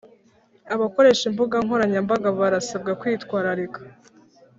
Abakoresha imbuga nkoranyambaga barasabwa kwitwararika